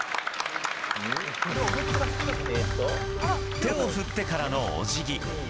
手を振ってからのお辞儀。